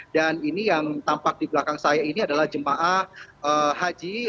dan ini yang tampak di belakang saya ini adalah jemaah haji